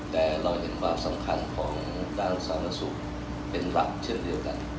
แต่เราเห็นความสำคัญของด้านสาธารณสุขเป็นหลักเช่นเดียวกัน